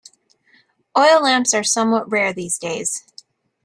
Oil lamps are somewhat rare these days.